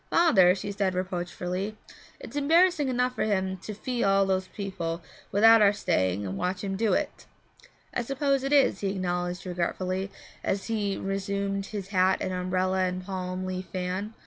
'Father,' said she reproachfully, 'it's embarrassing enough for him to fee all those people without our staying and watching him do it.' 'I suppose it is,' he acknowledged regretfully, as he resumed his hat and umbrella and palm leaf fan.